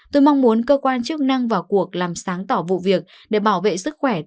tôi mong muốn cơ quan chức năng vào cuộc làm sáng tỏ vụ việc để bảo vệ sức khỏe